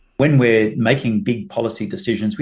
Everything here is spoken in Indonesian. kita harus mengubah tujuan ini